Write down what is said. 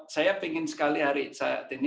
saya ingin sekali hari saat ini